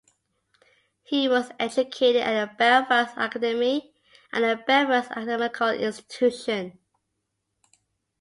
He was educated at the Belfast Academy and the Belfast Academical Institution.